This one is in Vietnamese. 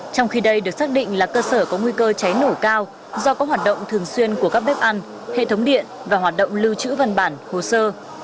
trong khi đây được xác định là cơ sở có nguy cơ cháy nổ cao do có hoạt động thường xuyên của các bếp ăn hệ thống điện và hoạt động lưu trữ văn bản hồ sơ